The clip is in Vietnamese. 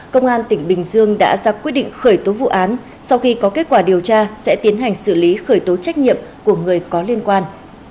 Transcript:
công an tỉnh bình dương đã ra quyết định khởi tố vụ án sau khi có kết quả điều tra sẽ tiến hành xử lý khởi tố trách nhiệm của người có liên quan